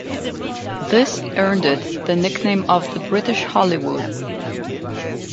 This earned it the nickname of the "British Hollywood".